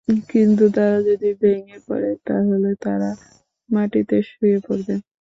কিন্তু তারা যদি ভেঙ্গে পড়ে তাহলে তারা মাটিতে শুয়ে পড়বে।